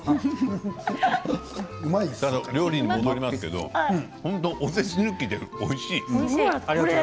料理に戻りますけど本当にお世辞抜きにおいしい。